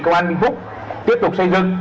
công an vĩnh phúc tiếp tục xây dựng